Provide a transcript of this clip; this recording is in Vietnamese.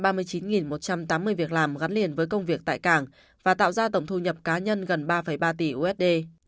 cảng cũng tạo ra khoảng tám mươi việc làm gắn liền với công việc tại cảng và tạo ra tổng thu nhập cá nhân gần ba ba tỷ usd